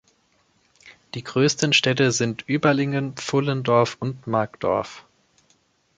Die größten Städte sind Überlingen, Pfullendorf und Markdorf.